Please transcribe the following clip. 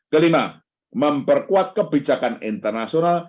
kelima memperkuat kebijakan internasional